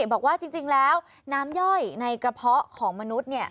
บอกว่าจริงแล้วน้ำย่อยในกระเพาะของมนุษย์